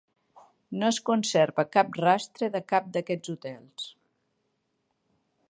No es conserva cap rastre de cap d'aquests hotels.